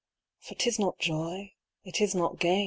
Vnr 'tU not joy, it is not gain.